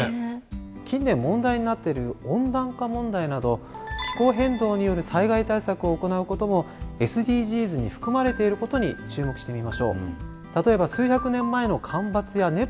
近年問題になってる温暖化問題など気候変動による災害対策を行うこともＳＤＧｓに含まれていることに注目してみましょう。